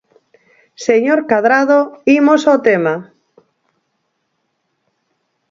Señor Cadrado, imos ao tema.